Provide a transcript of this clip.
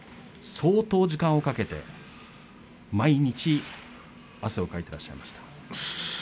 相当時間をかけて毎日汗をかいていらっしゃいました。